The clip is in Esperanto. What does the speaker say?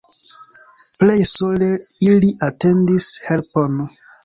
Pleje sole ili atendis helpon.